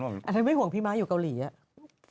อะไรไม่ห่วงพี่ม้าอยู่เกาหลีอะ